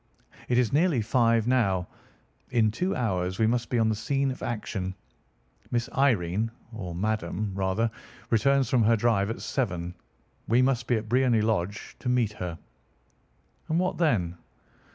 It is nearly five now. In two hours we must be on the scene of action. Miss Irene, or Madame, rather, returns from her drive at seven. We must be at Briony Lodge to meet her." "And what then?"